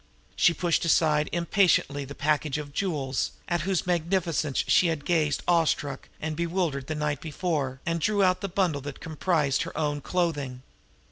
She pushed aside impatiently the package of jewels, at whose magnificence she had gazed awe struck and bewildered the night before, and drew out the bundle that comprised her own clothing.